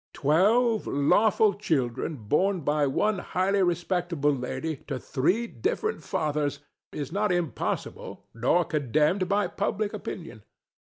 Twelve lawful children borne by one highly respectable lady to three different fathers is not impossible nor condemned by public opinion.